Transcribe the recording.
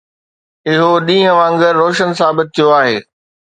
اهو ڏينهن وانگر روشن ثابت ٿيو آهي.